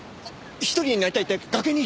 １人になりたいって崖に。